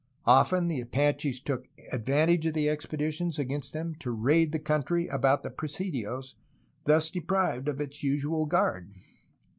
Often the Apaches took advantage of expeditions against them to raid the country about the presidios, thus deprived of its usual guard.